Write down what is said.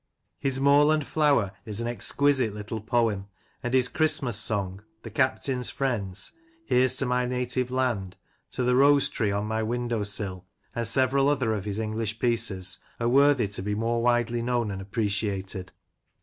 His "Moorland Flower" is an exquisite little poem; and his "Christmas Song," "The Captain's Friends," "Here's to my Native Land," "To the Rose tree on my Window sill," and several other of his English pieces, are worthy to be more widely known and appreciated.